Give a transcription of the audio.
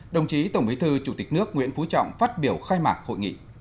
đồng chí tổng bí thư chủ tịch nước nguyễn phú trọng phát biểu khai mạc hội nghị